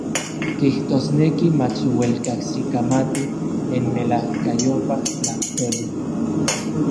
Kijtosneki mach uel kajsikamati n melajkayopaj tlajtoli.